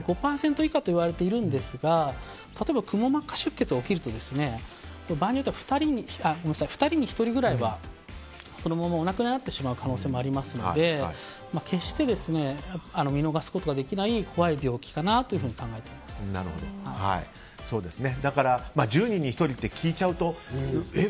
５％以下といわれているんですが例えば、くも膜下出血が起きると場合によっては２人に１人ぐらいはそのままお亡くなりになってしまう可能性もありますので決して見逃すことはできない１０人に１人と聞いちゃうとえ？